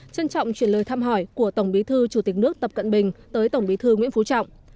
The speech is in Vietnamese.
trân trọng chuyển lời thăm hỏi của tổng bí thư chủ tịch nước tập cận bình tới tổng bí thư nguyễn phú trọng